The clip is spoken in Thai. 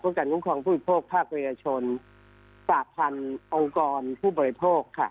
พวกการงุ้งคลองผู้บริโภคภาคบริญญาชนสถานองค์กรผู้บริโภคค่ะ